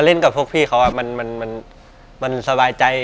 ได้เล่นกับพวกพี่เขาอะมันมันสบายใจ